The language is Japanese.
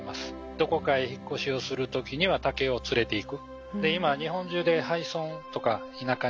どこかへ引っ越しをする時には竹を連れていく。